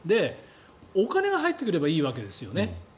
お金が入ってくればいいわけですよね